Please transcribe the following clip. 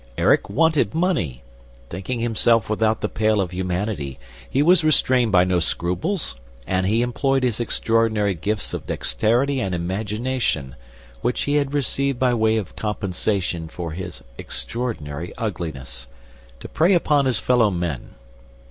"Erik wanted money. Thinking himself without the pale of humanity, he was restrained by no scruples and he employed his extraordinary gifts of dexterity and imagination, which he had received by way of compensation for his extraordinary uglinesss, to prey upon his fellow men.